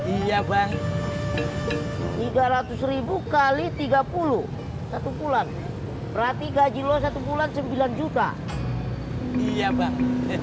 iya bang tiga ratus ribu kali tiga puluh satu bulan berarti gaji lo satu bulan sembilan juta iya bang